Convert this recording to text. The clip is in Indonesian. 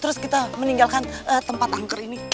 terus kita meninggalkan tempat angker ini